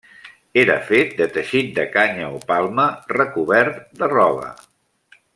Era fet de teixit de canya o palma recobert de roba.